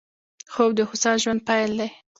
خوب د هوسا ژوند پيل دی